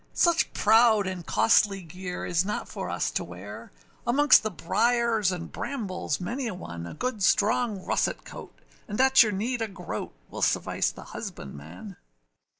Such proud and costly gear is not for us to wear; Amongst the briers and brambles many a one, A good strong russet coat, and at your need a groat, Will suffice the husbandman.